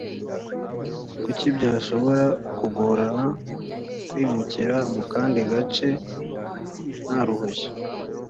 kuki byashobora kugorana kwimukira mu kandi gace nta ruhushya